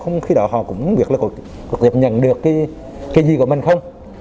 không khi đó họ cũng biết là có tiếp nhận được cái gì của mình không